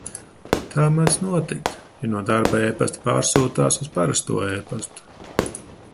Tā mēdz notikt, jo no darba epasta pārsūtās uz parasto epastu.